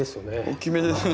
大きめですね。